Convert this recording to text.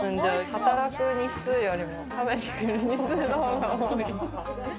働く日数よりも食べに来る日数の方が多い。